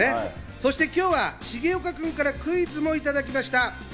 そして今日は重岡君からクイズもいただきました。